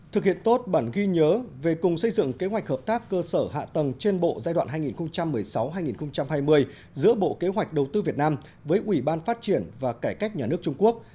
thực hiện tốt bản ghi nhớ về cùng xây dựng kế hoạch hợp tác cơ sở hạ tầng trên bộ giai đoạn hai nghìn một mươi sáu hai nghìn hai mươi giữa bộ kế hoạch đầu tư việt nam với ủy ban phát triển và cải cách nhà nước trung quốc